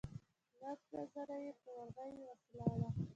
لنډه زنه يې په ورغوي وسولوله.